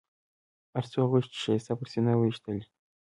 هر څو غشي چې ښایسته پر سینه ویشتلي.